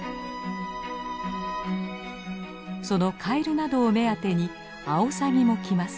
そのカエルなどを目当てにアオサギも来ます。